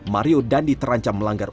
mario dandi terancam melanggar